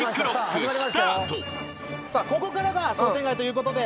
ここからが商店街ということで。